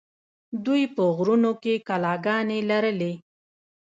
دوی په غرونو کې کلاګانې لرلې